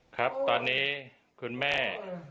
ครับตอนนี้คุณแม่